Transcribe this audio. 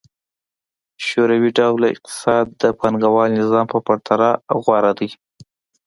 شوروي ډوله اقتصاد د پانګوال نظام په پرتله غوره دی.